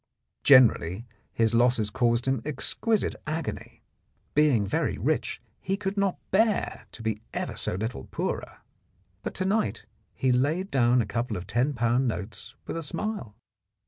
Generally his losses caused him exquisite agony : being very rich, he could not bear to be ever so little poorer. But to night he laid down a couple of ten pound notes with a smile.